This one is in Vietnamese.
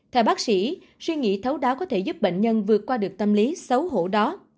theo bác sĩ suy nghĩ thấu đáo có thể giúp bệnh nhân vượt qua được tâm lý xấu hổ đó